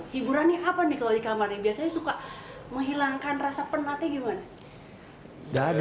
hiburan apa kalau di kamar yang suka menghilangkan rasa penat